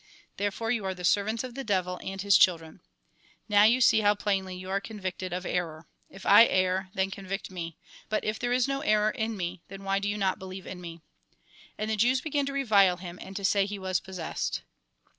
Therefore you are the ser vants of the devil and his children. Now you see how plainly you are convicted of error. If I err, Jn. viii. 3a / AND THE FATHER ARE ONE 97 Jn. viii. 48. then convict nie ; but if there is no error in me, then why do you not believe in me ?" And the Jewa began to revile him, and to say he was possessed.